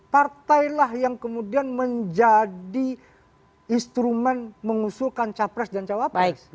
partailah yang kemudian menjadi instrumen mengusulkan capres dan cawapres